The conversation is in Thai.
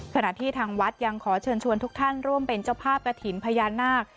ขณะที่ทางวัดยังขอเชิญชวนทุกท่านร่วมเป็นเจ้าภาพกระถิ่นพญานาค